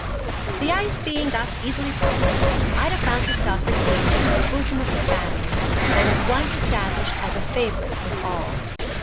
The ice being thus easily broken, Ida found herself received into the bosom of the family, and at once established as a favourite with all.